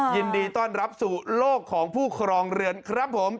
ยินดีต้อนรับสู่โลกของผู้ครองเรือนครับผม